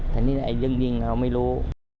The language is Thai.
แต่นี่ไอ้ยิงเราไม่รู้